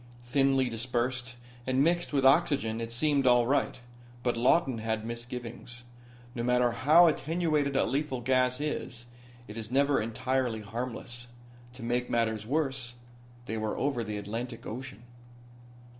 Thinly dispersed, and mixed with oxygen it seemed all right. But Lawton had misgivings. No matter how attenuated a lethal gas is it is never entirely harmless. To make matters worse, they were over the Atlantic Ocean.